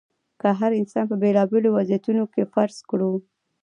که هر انسان په بېلابېلو وضعیتونو کې فرض کړو.